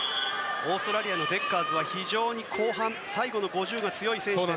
オーストラリアのデッカーズは非常に後半最後の５０ｍが強い選手です。